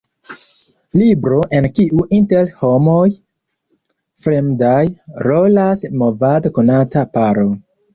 Libro en kiu, inter homoj fremdaj, rolas movade konata paro.